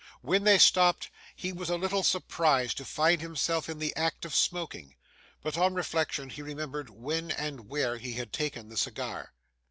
When they stopped, he was a little surprised to find himself in the act of smoking; but, on reflection, he remembered when and where he had taken the cigar.